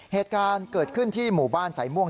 เหตุการณ์เกิดขึ้นที่หมู่บ้านสายม่วง